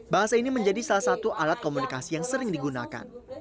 bahasa ini menjadi salah satu alat komunikasi yang sering digunakan